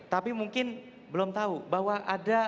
tapi mungkin belum tahu bahwa ada